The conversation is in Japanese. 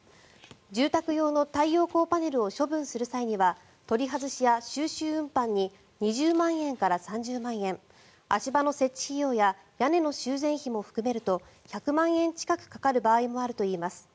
住宅用の太陽光パネルを処分する際には取り外しや収集運搬に２０万円から３０万円足場の設置費用や屋根の修繕費も含めると１００万円近くかかる場合もあるといいます。